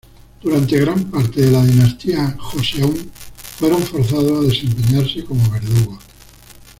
Durante gran parte de la dinastía Joseon, fueron forzados a desempeñarse como verdugos.